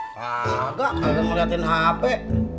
kagak aku liatin hape